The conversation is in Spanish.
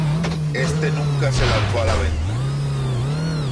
Este nunca se lanzó a la venta.